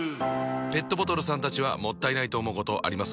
ペットボトルさんたちはもったいないと思うことあります？